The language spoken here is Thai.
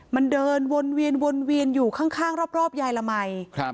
มันเดินวนเวียนอยู่ข้างรอบยายละไหม